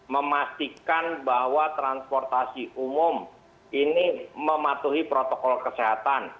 memastikan bahwa transportasi umum ini mematuhi protokol kesehatan